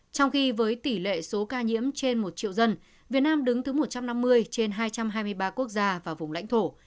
trong khi với tỷ lệ số ca nhiễm trên một triệu dân việt nam đứng thứ một trăm năm mươi trên hai trăm hai mươi ba quốc gia và vùng lãnh thổ